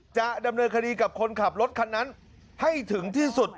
จะดำเนินคดีกับคนขับรถคันนั้นให้ถึงที่สุด